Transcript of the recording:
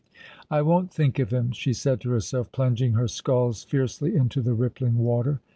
" I won't think of him," she said to herself, plunging her sculls fiercely into the rippliug water.